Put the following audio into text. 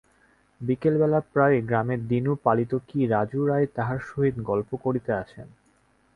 বিকালবেলা প্রায়ই গ্রামের দীনু পালিত কি রাজু রায় তাহার সহিত গল্প করিতে আসেন।